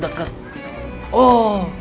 ada semacam meteor jatuh